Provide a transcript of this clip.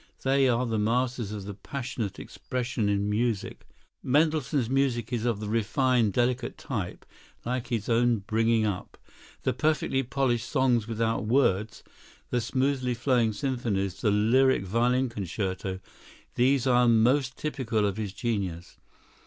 They are the masters of the passionate expression in music; Mendelssohn's music is of the refined, delicate type—like his own bringing up. The perfectly polished "Songs without Words," the smoothly flowing symphonies, the lyric violin concerto—these are most typical of his genius.